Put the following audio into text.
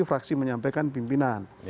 fraksi menyampaikan ke pimpinan